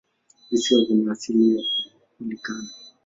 Visiwa vina asili ya volikano.